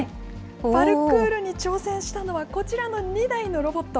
パルクールに挑戦したのは、こちらの２台のロボット。